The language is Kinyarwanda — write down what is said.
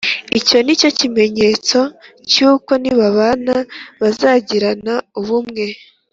icyo ni ikimenyetso cy uko nibabana bazagirana ubumwe